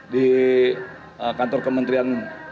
di kantor kementerian